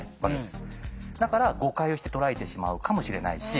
だから誤解をして捉えてしまうかもしれないし。